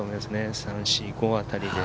３、４、５あたりで。